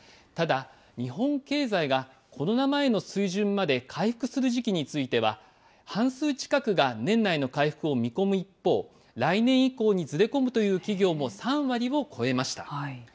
ただ、日本経済がコロナ前の水準まで回復する時期については、半数近くが年内の回復を見込む一方、来年以降にずれ込むという企業も３割を超えました。